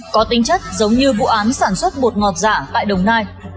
có tinh chất giống như vụ án sản xuất bột ngọt giả tại đồng nai